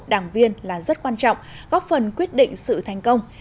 đảng viên là rất quan trọng góp phần quyết định sự thành công